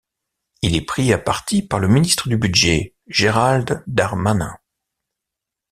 Il est pris à partie par le ministre du budget, Gérald Darmanin.